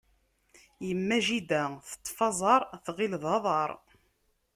Yemma jida teṭṭef aẓaṛ, tɣil d aḍaṛ.